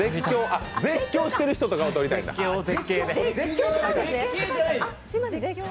あっ、絶叫してる人とかを撮りたいんですね。